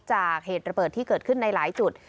เหตุระเบิดที่เกิดขึ้นในหลายจุด